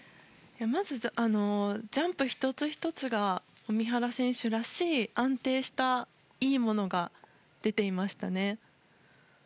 まず、ジャンプ１つ１つが三原選手らしい安定したいいものが出ていましたね。